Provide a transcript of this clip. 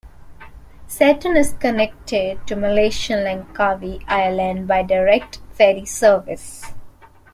Satun is connected to Malaysian Langkawi Island by direct ferry service.